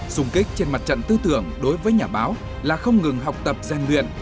dùng kích trên mặt trận tư tưởng đối với nhà báo là không ngừng học tập gian luyện